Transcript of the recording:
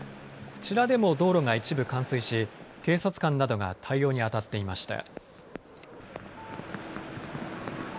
こちらでも道路が一部、冠水し警察官などが対応にあたっていました。